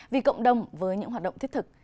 vì cộng đồng với những hoạt động thiết thực